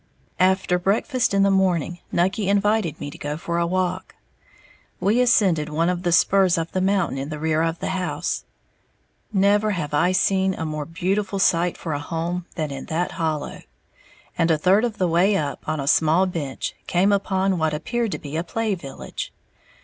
After breakfast in the morning, Nucky invited me to go for a walk. We ascended one of the spurs of the mountain in the rear of the house, never have I seen a more beautiful site for a home than in that hollow and a third of the way up, on a small "bench," came upon what appeared to be a play village.